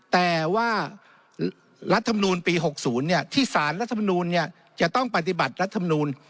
แต่ว่ารัฐมนูลปี๖๐ที่สารรัฐมนูลจะต้องปฏิบัติรัฐมนูล